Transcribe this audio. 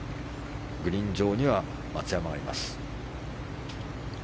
グリーン上には松山がいます。